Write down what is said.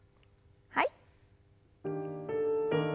はい。